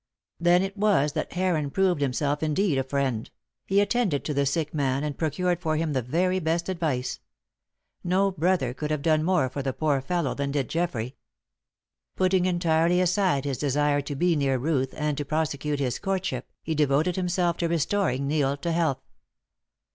Then it was that Heron proved himself indeed a friend; he attended to the sick man and procured for him the very best advice. No brother could have done more for the poor fellow than did Geoffrey. Putting entirely aside his desire to be near Ruth and to prosecute his courtship, he devoted himself to restoring Neil to health.